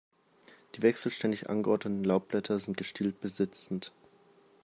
Die wechselständig angeordneten Laubblätter sind gestielt bis sitzend.